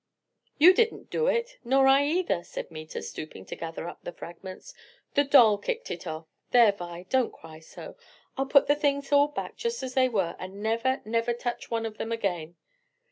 "You didn't do it, nor I either," said Meta; stooping to gather up the fragments, "the doll kicked it off. There, Vi, don't cry so; I'll put the things all back just as they were, and never, never touch one of them again."